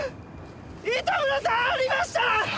糸村さんありました！！